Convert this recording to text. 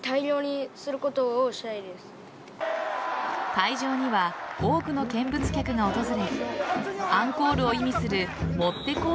会場には多くの見物客が訪れアンコールを意味するもってこー